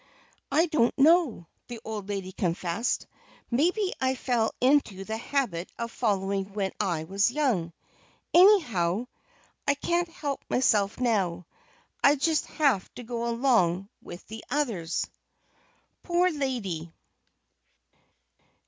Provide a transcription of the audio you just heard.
"I don't know," the old lady confessed. "Maybe I fell into the habit of following when I was young. Anyhow, I can't help myself now. I just have to go along with the others." Poor lady!